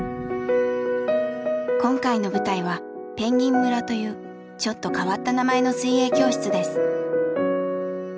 今回の舞台は「ぺんぎん村」というちょっと変わった名前の水泳教室です。